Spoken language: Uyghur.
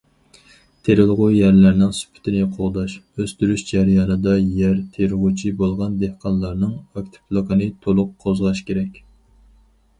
تېرىلغۇ يەرلەرنىڭ سۈپىتىنى قوغداش، ئۆستۈرۈش جەريانىدا، يەر تېرىغۇچى بولغان دېھقانلارنىڭ ئاكتىپلىقىنى تولۇق قوزغاش كېرەك.